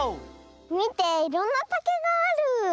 みていろんなたけがある。